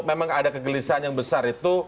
memang ada kegelisahan yang besar itu